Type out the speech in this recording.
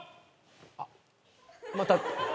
あっまた。